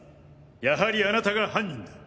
やはりあなたが犯人だ。